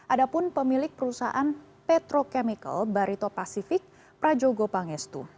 ada pun pemilik perusahaan petrochemical barito pasifik prajogo pangestu